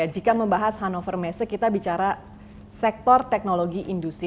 jika membahas hannover message kita bicara sektor teknologi industri